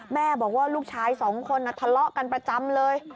แม่บอกว่าลูกชายสองคนทะเลาะกันประจำเลย